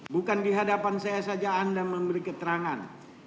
bukan di hadapan saya saja anda memberi keterangan